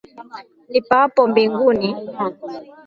Nipaapo mbinguni,